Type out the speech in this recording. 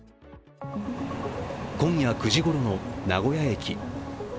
今夜９時ごろの名古屋駅。